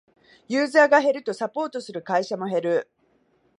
ユーザーが減るとサポートする会社も減る